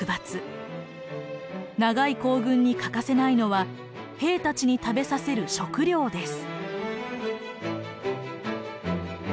長い行軍に欠かせないのは兵たちに食べさせる食糧です。